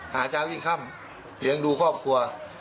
หาจ้าวิ่งค่ำเหลืองดูครอบครัว